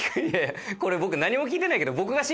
これ何も聞いてないけど。